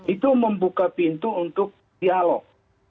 itu membuka pintu untuk dialog